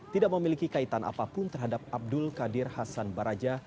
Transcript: tidak memiliki kaitan apapun terhadap abdul qadir hasan baraja